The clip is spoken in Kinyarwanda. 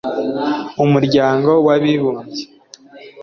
Umuryango w’Abibumbye